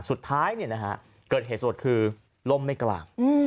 สุดท้ายเนี่ยนะฮะเกิดเหตุสดคือล่มไม่กลาง